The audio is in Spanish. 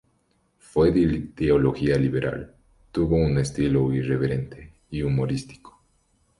Fue de ideología liberal, tuvo un estilo irreverente y humorístico.